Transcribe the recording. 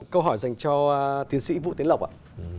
câu hỏi dành cho tiến sĩ vũ tiến lộc